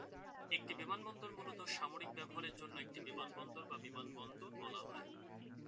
একটি বিমানবন্দর মূলত সামরিক ব্যবহারের জন্য একটি বিমানবন্দর বা বিমানবন্দর বলা হয়।